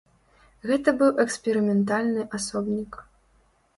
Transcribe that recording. Гэта быў эксперыментальны асобнік.